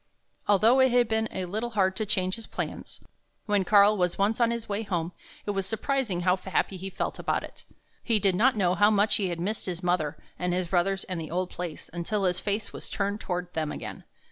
Although it had been a little hard to change his plans, when Karl was once on his way home it was surprising how happy he felt about it. He did not know how much he had missed his mother and his brothers and the old place, until his face was turned toward them again.